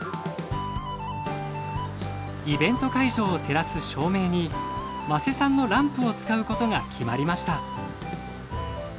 イベント会場を照らす照明に間瀬さんのランプを使うことが決まりました。